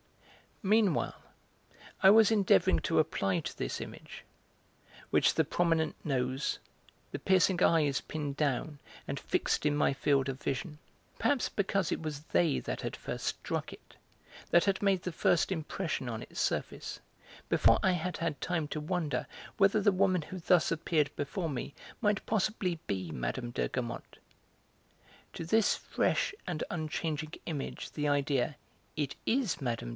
Meanwhile I was endeavouring to apply to this image, which the prominent nose, the piercing eyes pinned down and fixed in my field of vision (perhaps because it was they that had first struck it, that had made the first impression on its surface, before I had had time to wonder whether the woman who thus appeared before me might possibly be Mme. de Guermantes), to this fresh and unchanging image the idea: "It is Mme.